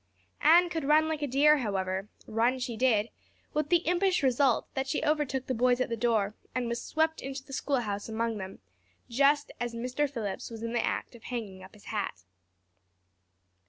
Anne could run like a deer, however; run she did with the impish result that she overtook the boys at the door and was swept into the schoolhouse among them just as Mr. Phillips was in the act of hanging up his hat.